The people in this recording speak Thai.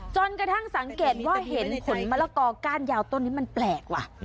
จนกระทั่งสังเกตว่าเห็นผลมะละกอก้านยาวต้นนี้มันแปลกว่ะ